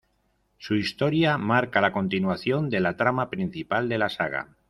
Su historia marca la continuación de la trama principal de la saga.